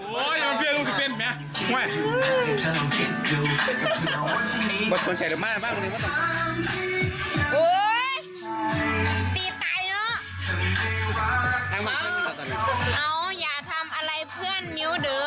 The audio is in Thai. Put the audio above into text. โอ้ยคือมีแจ่งผู้ชายแท้